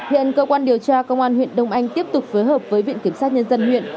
hiện cơ quan điều tra công an huyện đông anh tiếp tục phối hợp với viện kiểm sát nhân dân huyện